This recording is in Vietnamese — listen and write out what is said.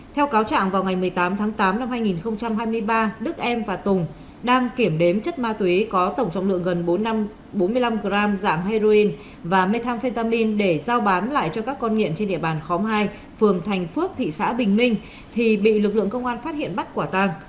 theo cáo trạng vào ngày một mươi tám tháng tám năm hai nghìn hai mươi ba đức em và tùng đang kiểm đếm chất ma túy có tổng trọng lượng gần bốn mươi năm g dạng heroin và methamphetamine để giao bán lại cho các con nghiện trên địa bàn khóm hai phường thành phước thị xã bình minh thì bị lực lượng công an phát hiện bắt quả tàng